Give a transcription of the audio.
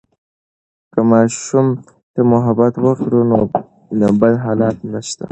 که ماشوم ته محبت وکړو، نو بد حالات نشته.